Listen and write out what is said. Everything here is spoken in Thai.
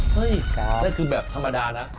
เฮ้ยนั่นคือแบบธรรมดานะ